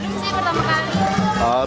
ya pertama kali